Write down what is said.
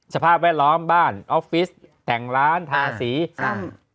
สภาพแวดล้อมบ้านออฟฟิศแต่งร้านทาสีครับ